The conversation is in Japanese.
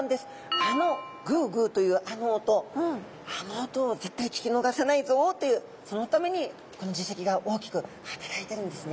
あのグゥグゥというあの音あの音を絶対聞き逃さないぞというそのためにこの耳石が大きく働いているんですね。